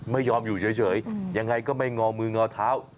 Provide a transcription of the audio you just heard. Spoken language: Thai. ไม่ยอมอยู่เฉยยังไงก็ไม่งอมืองอเท้า